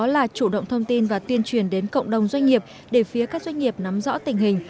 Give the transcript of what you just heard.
là chủ động thông tin và tuyên truyền đến cộng đồng doanh nghiệp để phía các doanh nghiệp nắm rõ tình hình